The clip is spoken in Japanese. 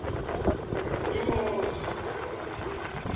これはだってあれですよ。